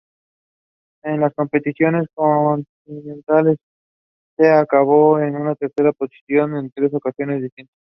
En las competiciones continentales ha acabado en tercera posiciones en tres ocasiones distintas.